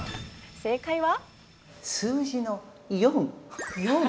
正解は。